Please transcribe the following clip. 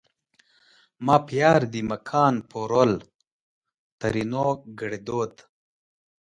ما پیار دې مکان پرول؛ ترينو کړدود